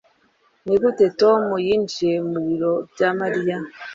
nigute tom yinjiye mu biro bya mariya